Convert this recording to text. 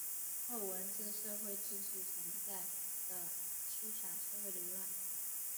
后文字社会继续存在的虚讲社会理论。